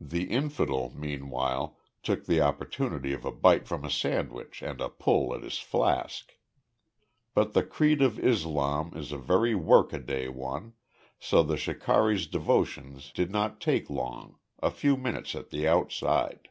The "infidel" meanwhile, took the opportunity of a bite from a sandwich and a pull at his flask. But the creed of Islam is a very work a day one, so the shikari's devotions did not take long, a few minutes at the outside.